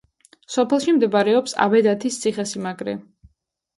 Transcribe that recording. სოფელში მდებარეობს აბედათის ციხესიმაგრე.